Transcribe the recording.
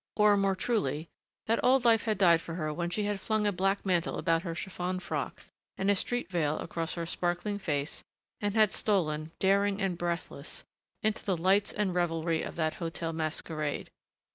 Or more truly that old life had died for her when she had flung a black mantle about her chiffon frock and a street veil across her sparkling face and had stolen, daring and breathless, into the lights and revelry of that hotel masquerade.